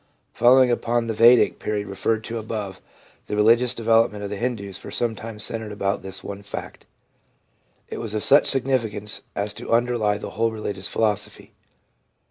Following upon the Vedic period referred to above, the religious development of the Hindus for some time centered about this one fact. It was of such significance as to underlie the whole religious philosophy.